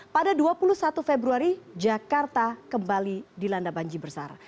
pada dua puluh satu februari jakarta kembali dilanda banjir besar